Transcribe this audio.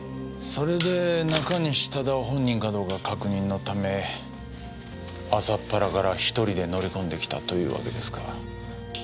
それで中西忠雄本人かどうか確認のため朝っぱらから１人で乗り込んできたというわけですか。